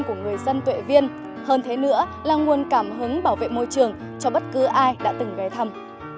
của người dân tuệ viên hơn thế nữa là nguồn cảm hứng bảo vệ môi trường cho bất cứ ai đã từng ghé thăm